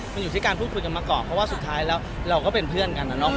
มันอยู่ที่การพูดคุยกันมาก่อนเพราะว่าสุดท้ายแล้วเราก็เป็นเพื่อนกันนะเนาะ